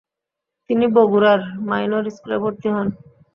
তিনি বগুড়ার মাইনর স্কুলে ভর্তি হন।